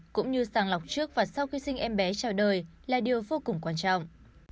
cũng như sàng lọc trước và sau khi sinh em bé chào đời là điều vô cùng quan trọng